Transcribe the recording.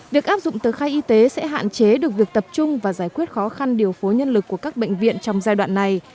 việc áp dụng tờ khai y tế sẽ hạn chế được việc tập trung và giải quyết khó khăn điều phối nhân lực của các bệnh viện trong giai đoạn này